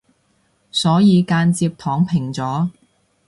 所以間接躺平咗